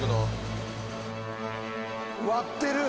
割ってる！